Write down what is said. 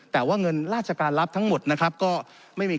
แต่ว่าเงินราชการรับทั้งหมดนะครับก็ไม่มี